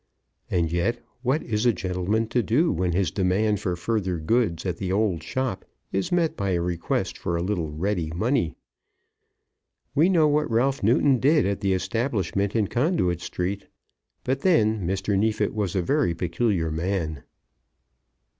And yet what is a gentleman to do when his demand for further goods at the old shop is met by a request for a little ready money? We know what Ralph Newton did at the establishment in Conduit Street. But then Mr. Neefit was a very peculiar man.